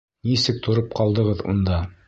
Нисек тороп ҡалдығыҙ унда?